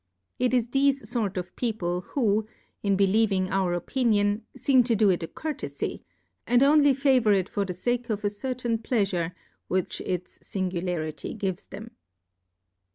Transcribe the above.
It is thefe fort of People, who, in believing our Opinion, feem to do it a Courtefie, and only favour it for the Sake of a certain Pleafuoe which its Singularity gives them.